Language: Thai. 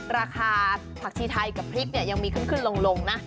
ราคาผักชีไทยกับพริกเนี่ยยังมีขึ้นลงนะ